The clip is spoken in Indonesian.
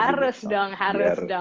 harus dong harus dong